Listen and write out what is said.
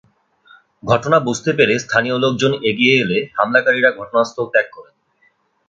ঘটনা বুঝতে পেরে স্থানীয় লোকজন এগিয়ে এলে হামলাকারীরা ঘটনাস্থল ত্যাগ করেন।